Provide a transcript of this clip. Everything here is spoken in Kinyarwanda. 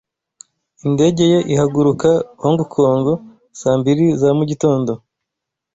Indege ye ihaguruka Hong Kong saa mbiri za mugitondo.